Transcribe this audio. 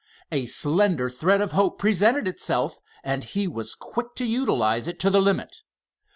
A slender thread of hope presented itself and he was quick to utilize it to the limit.